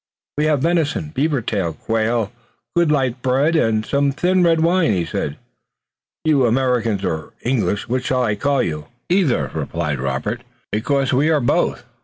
"We have venison, beaver tail, quail, good light bread and some thin red wine," he said. "You Americans or English which shall I call you?" "Either," replied Robert, "because we are both."